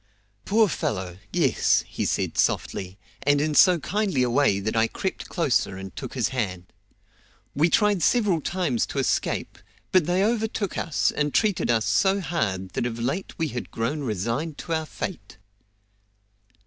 "Poor fellow; yes!" he said softly, and in so kindly a way that I crept closer and took his hand. "We tried several times to escape, but they overtook us, and treated us so hard that of late we had grown resigned to our fate."